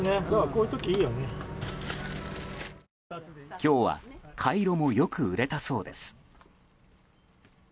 今日はカイロもよく売れたそうです。